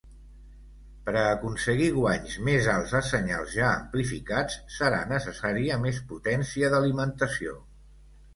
Per a aconseguir guanys més alts a senyals ja amplificats, serà necessària més potència d'alimentació.